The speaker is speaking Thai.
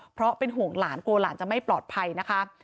เพราะเป็นห่วงหลานกลัวหลานจะไม่ปลอดภัยนะคะ